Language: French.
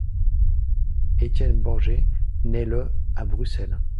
Étienne Borgers nait le à Bruxelles.